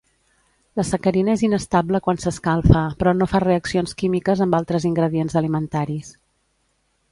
La sacarina és inestable quan s'escalfa però no fa reaccions químiques amb altres ingredients alimentaris.